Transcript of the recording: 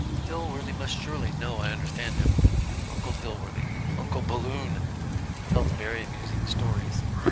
. Dilworthy must surely know I understand him. Uncle Dilworthy .... Uncle Balloon! Tells very amusing stories